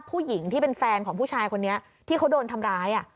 ผู้หญิงที่เป็นแฟนของผู้ชายคนนี้ที่เขาโดนทำร้าย